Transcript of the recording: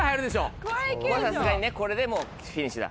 これはさすがにねこれでもうフィニッシュだ。